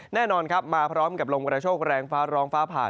มาพร้อมฝรั่งการกระชกแรงฟ้องฝ้าผ่า